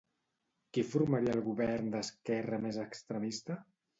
Qui formaria el govern d'esquerra més extremista?